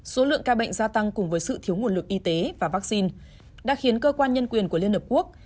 số lượng ca bệnh gia tăng cùng với sự thiếu nguồn lực y tế và vaccine đã khiến cơ quan nhân quyền của liên hợp quốc